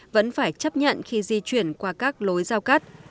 vẫn phải chấp nhận khi di chuyển qua các lối giao cắt